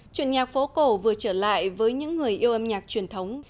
truyền nhạc phố cổ vừa trở lại với những người yêu âm nhạc truyền thống